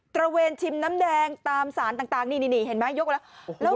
ระเวนชิมน้ำแดงตามสารต่างนี่เห็นไหมยกแล้ว